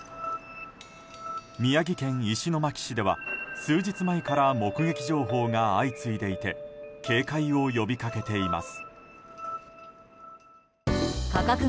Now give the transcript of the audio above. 宮城県石巻市では数日前から目撃情報が相次いでいて警戒を呼びかけています。